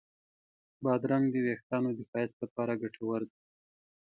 بادرنګ د وېښتانو د ښایست لپاره ګټور دی.